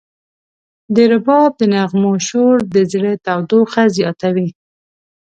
د رباب د نغمو شور د زړه تودوخه زیاتوي.